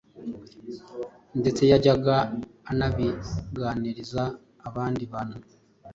ndetse yajyaga anabiganiriza abandi bantu.